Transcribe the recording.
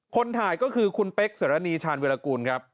คนถ่ายก็คือคุณเป๊กสรณีชาญวิรากูลครับ